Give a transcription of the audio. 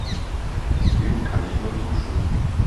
Dem kann ich nur zustimmen.